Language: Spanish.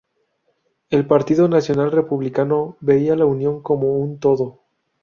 El Partido Nacional-Republicano veía la Unión como un todo.